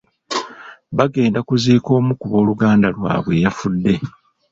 Bagenda kuziika omu ku booluganda lwabwe eyafudde.